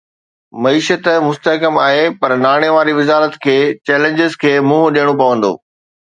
معيشت مستحڪم آهي پر ناڻي واري وزارت کي چئلينجز کي منهن ڏيڻو پوندو